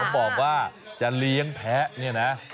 บอกว่าจะเลี้ยงแพ้เนี่ยนะ